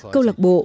câu lạc bộ